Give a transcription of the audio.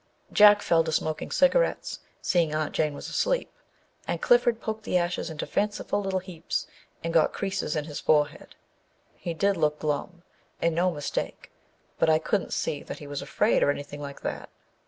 Jack fell to smoking cigarettes, seeing Aunt Jane was asleep, and Clifford poked the ashes into fanciful little heaps and got creases in his forehead. He did look glum and no mistake, but I couldn't see that he was afraid, or anything like that.